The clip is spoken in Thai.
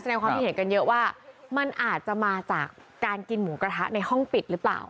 แสดงความคิดเห็นกันเยอะว่ามันอาจจะมาจากการกินหมูกระทะในห้องปิดหรือเปล่า